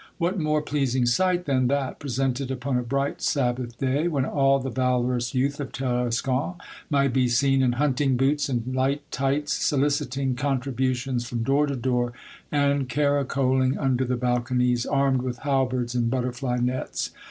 What more pleasing sight than that presented upon a bright Sabbath day, when all the valorous youth of Tarascon might be seen, in hunting boots and light tights, soliciting con tributions from door to door, and caracoling under the balconies, armed with halberds and butterfly nets